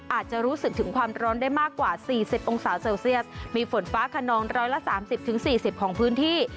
อาจจะรู้สึกถึงความร้อนได้มากกว่า๔๐องศาเซลเซียสมีฝนฟ้าขนอง๑๓๐๔๐ของพื้นที่